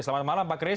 selamat malam pak kris